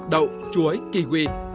đậu chuối kiwi